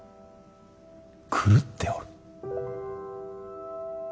狂っておる。